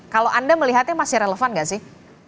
kalau anda melihatnya masih relevan nggak sih